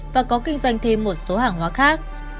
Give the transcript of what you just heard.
và có kinh doanh thêm một số hàng hóa khác